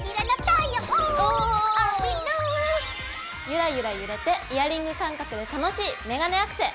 ゆらゆら揺れてイヤリング感覚で楽しいメガネアクセ。